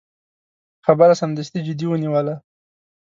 خبره سمدستي جدي ونیوله.